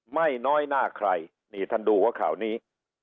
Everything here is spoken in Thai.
ไม่น้อยหน้าใครนี่ท่านดูหัวข่าวนี้